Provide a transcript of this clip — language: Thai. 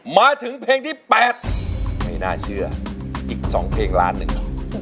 มาถึงเพลงที่๘ไม่น่าเชื่ออีก๒เพลงล้านหนึ่ง